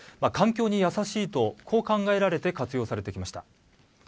環境にやさしいと考えられて活用されてきました。